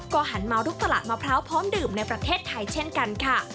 หันมาลุกตลาดมะพร้าวพร้อมดื่มในประเทศไทยเช่นกันค่ะ